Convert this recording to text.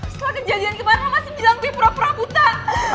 setelah kejadian kemarin lo masih bilang gue pura pura buta